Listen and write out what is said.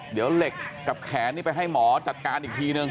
เดี๋ยวเหล็กกับแขนนี่ไปให้หมอจัดการอีกทีนึง